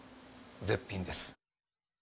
絶品です。